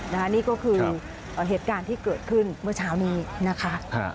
นี่ก็คือเหตุการณ์ที่เกิดขึ้นเมื่อเช้านี้นะคะ